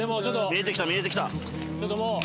見えてきた見えてきた。